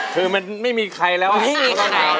คือมันไม่มีใครแล้วไม่มีคนไหน